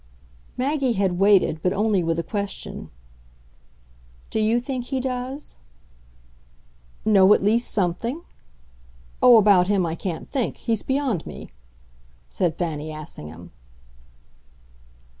Maggie had waited, but only with a question. "Do you think he does?" "Know at least something? Oh, about him I can't think. He's beyond me," said Fanny Assingham.